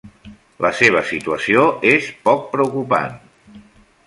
La seva situació és poc preocupant.